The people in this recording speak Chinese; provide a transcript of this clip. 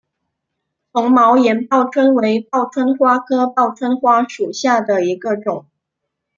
丛毛岩报春为报春花科报春花属下的一个种。